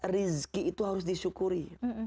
rezeki itu harus disyukuri